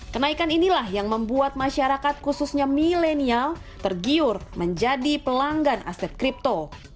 kenaikan inilah yang membuat masyarakat khususnya milenial tergiur menjadi pelanggan aset kripto